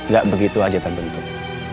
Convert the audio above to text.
gak begitu aja terbentuk